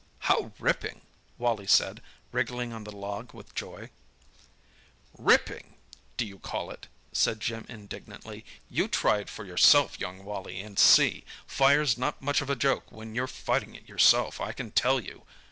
"How ripping!" Wally said, wriggling on the log with joy. "Ripping, do you call it?" said Jim indignantly. "You try it for yourself, young Wally, and see. Fire's not much of a joke when you're fighting it yourself, I can tell you.